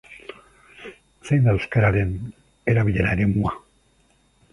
Zein da euskararen erabilera eremua?